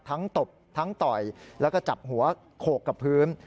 ตบทั้งต่อยแล้วก็จับหัวโขกกับพื้น